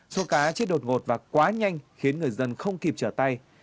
số cá chết đột ngột và quá nhanh khiến người dân không kịp trở tay